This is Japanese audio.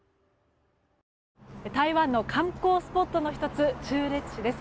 台湾の観光スポットの１つ、忠烈祠市です。